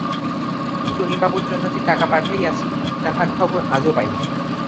চুনীবাবুর জন্য যে টাকা পাঠাইয়াছি, তাহার খবর আজও পাই নাই।